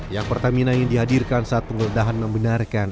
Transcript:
yang pertamina yang dihadirkan saat penggeledahan membenarkan